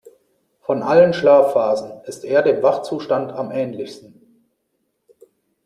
Von allen Schlafphasen ist er dem Wachzustand am ähnlichsten.